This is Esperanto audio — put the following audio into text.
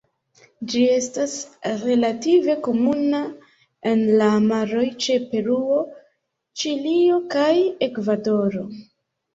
Ĝi estas relative komuna en la maroj ĉe Peruo, Ĉilio kaj Ekvadoro.